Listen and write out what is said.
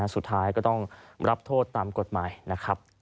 สุดท้ายก็ต้องรับโทษตามกฎหมายนะครับ